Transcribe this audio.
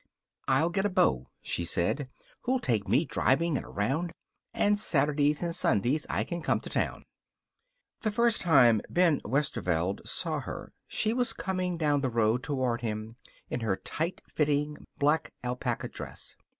"I'll get a beau," she said, "who'll take me driving and around. And Saturdays and Sundays I can come to town." The first time Ben Westerveld saw her she was coming down the road toward him in her tight fitting black alpaca dress.